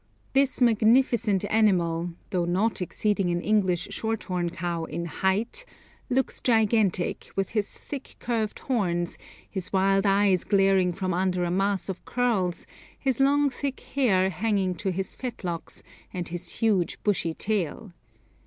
This magnificent animal, though not exceeding an English shorthorn cow in height, looks gigantic, with his thick curved horns, his wild eyes glaring from under a mass of curls, his long thick hair hanging to his fetlocks, and his huge bushy tail.